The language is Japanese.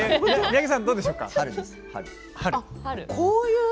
三宅さん、どうでしょうか。